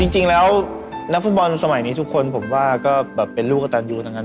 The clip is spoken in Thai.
จริงแล้วนักฟุตบอลสมัยนี้ทุกคนผมว่าก็แบบเป็นลูกกระตันยูทั้งนั้น